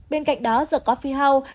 bên cạnh đó the coffee house